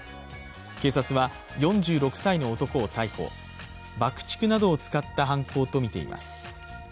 警察は４６歳の男を逮捕、爆竹などを使った犯行とみています。